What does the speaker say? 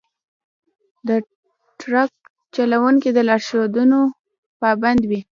د ټرک چلونکي د لارښوونو پابند وي.